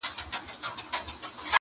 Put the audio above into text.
د بخشش او د ستایلو مستحق دی,